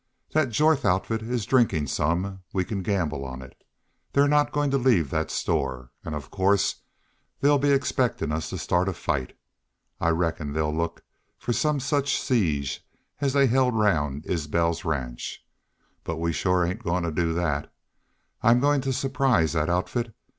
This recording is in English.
Thet Jorth outfit is drinkin' some, we can gamble on it. They're not goin' to leave thet store. An' of course they'll be expectin' us to start a fight. I reckon they'll look fer some such siege as they held round Isbel's ranch. But we shore ain't goin' to do thet. I'm goin' to surprise thet outfit.